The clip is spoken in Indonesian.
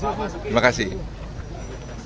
sedikit pak soal bicara hari ini pak